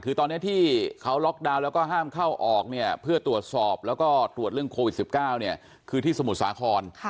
คือตอนนี้ที่เขาล็อกดาวน์แล้วก็ห้ามเข้าออกเนี่ยเพื่อตรวจสอบแล้วก็ตรวจเรื่องโควิด๑๙เนี่ยคือที่สมุทรสาคร